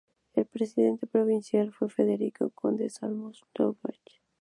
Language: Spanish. El presidente provincial fue Federico, conde de Solms-Laubach.